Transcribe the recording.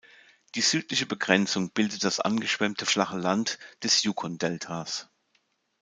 Die südliche Begrenzung bildet das angeschwemmte flache Land des Yukon-Deltas.